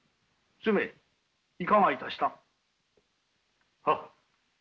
主馬いかがいたした？は。